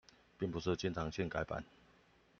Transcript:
並不是經常性改版